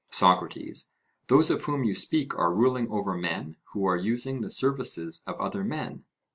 SOCRATES: Those of whom you speak are ruling over men who are using the services of other men?